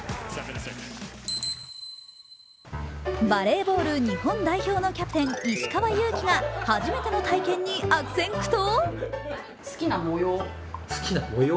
バレーボール、日本代表のキャプテン石川祐希が初めての体験に悪戦苦闘！？